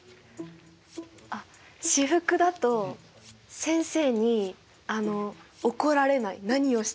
あっ私服だと先生にあの怒られない何をしても。